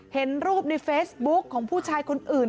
เห็นรูปในเฟซบุ๊คของผู้ชายคนอื่น